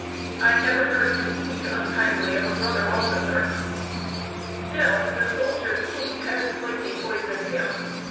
I never heard him speak unkindly of a brother officer. Still, the soldier's taint had slightly poisoned him.